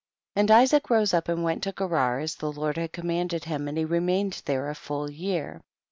3. And Isaac rose up and went to Gerar, as the Lord commanded him, and he remained there a full year.